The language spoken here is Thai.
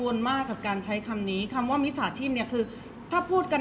เพราะว่าสิ่งเหล่านี้มันเป็นสิ่งที่ไม่มีพยาน